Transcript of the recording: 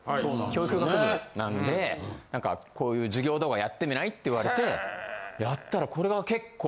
なんで「こういう授業動画やってみない？」って言われてやったらこれが結構。